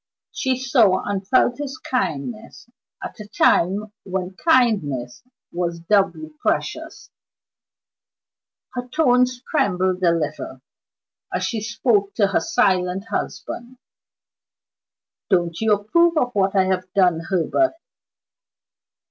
She saw, and felt, his kindness at a time when kindness was doubly precious. Her tones trembled a little as she spoke to her silent husband. "Don't you approve of what I have done, Herbert?"